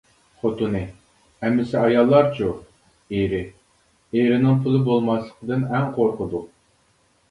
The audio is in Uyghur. خوتۇنى: ئەمىسە ئاياللارچۇ؟ ئېرى: ئېرىنىڭ پۇلى بولماسلىقىدىن ئەڭ قورقىدۇ.